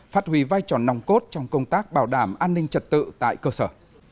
phát huy vai trò nòng cốt trong công tác bảo đảm an ninh trật tự tại cơ sở